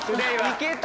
いけた。